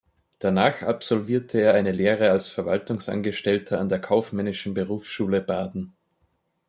Danach absolvierte er eine Lehre als Verwaltungsangestellter an der kaufmännischen Berufsschule Baden.